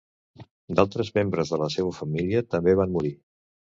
D'altres membres de la seua família també van morir.